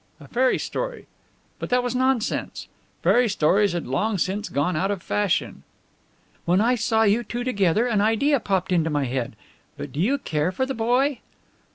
A fairy story? But that was nonsense! Fairy stories had long since gone out of fashion. "When I saw you two together an idea popped into my head. But do you care for the boy?"